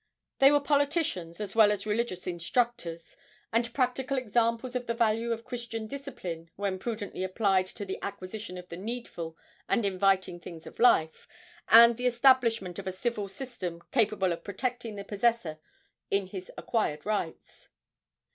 They were politicians as well as religious instructors, and practical examples of the value of Christian discipline when prudently applied to the acquisition of the needful and inviting things of life, and the establishment of a civil system capable of protecting the possessor in his acquired rights.